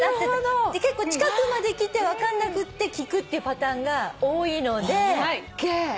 結構近くまで来て分かんなくって聞くっていうパターンが多いので。